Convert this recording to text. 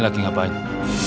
lagi pacaran ya